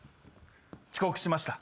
遅刻しました。